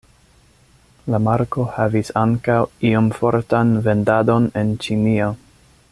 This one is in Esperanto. La marko havis ankaŭ iom fortan vendadon en Ĉinio.